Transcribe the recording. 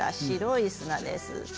白い砂です。